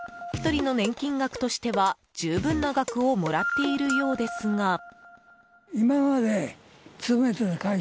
１人の年金額としては十分な額をもらっているようですが。